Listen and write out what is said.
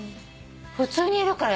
普通にいるから。